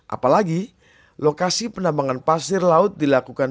apalagi lokasi penambangan pasir laut dilakukan